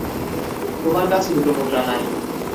তোমার কাছে দুটো মুদ্রা নাই।